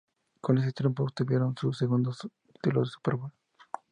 Con este triunfo obtuvieron su segundo título de Super Bowl.